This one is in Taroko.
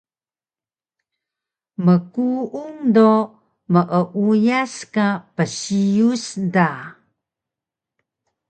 Mkuung do meuyas ka psiyus da